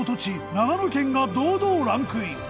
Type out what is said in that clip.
長野県が堂々ランクイン。